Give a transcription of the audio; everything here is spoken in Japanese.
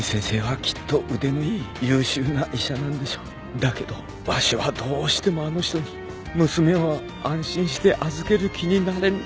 だけどわしはどうしてもあの人に娘を安心して預ける気になれんのです。